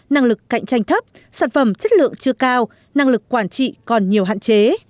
năng lực cạnh tranh thấp sản phẩm chất lượng chưa cao năng lực quản trị còn nhiều hạn chế